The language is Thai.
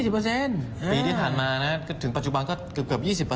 ปีที่ผ่านมานะถึงปัจจุบันก็เกือบ๒๐